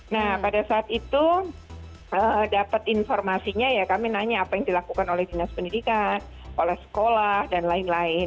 nah pada saat itu dapat informasinya ya kami nanya apa yang dilakukan oleh dinas pendidikan oleh sekolah dan lain lain